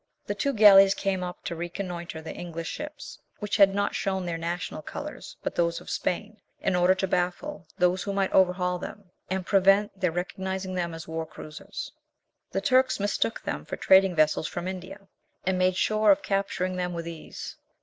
The two galleys came up to reconnoitre the English ships, which had not shown their national colours but those of Spain, in order to baffle those who might overhaul them, and prevent their recognising them as war cruisers. The Turks mistook them for trading vessels from India, and made sure of capturing them with ease.